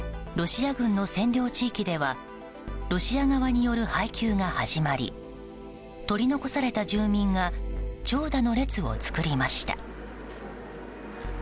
ロシア軍の占領地域ではロシア側による配給が始まり取り残された住民が長蛇の列を作りました。